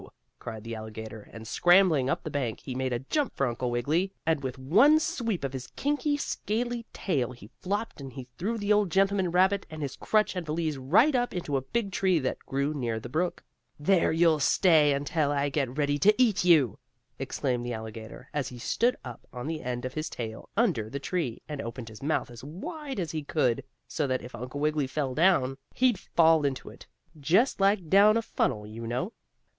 cried the alligator, and, scrambling up the bank, he made a jump for Uncle Wiggily, and with one sweep of his kinky, scaly tail he flopped and he threw the old gentleman rabbit and his crutch and valise right up into a big tree that grew near the brook. "There you'll stay until I get ready to eat you!" exclaimed the alligator, as he stood up on the end of his tail under the tree, and opened his mouth as wide as he could so that if Uncle Wiggily fell down he'd fall into it, just like down a funnel, you know.